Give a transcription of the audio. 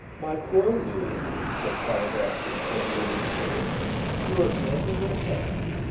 "My poor Louis!" said Carrados, in friendly ridicule. "You were at the end of your tether?"